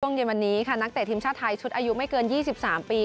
ท่องเย็นวันนี้นะคะนักเตะทีมชาติไทยร่วมร่วมเกินไม่เกิน๒๓ปี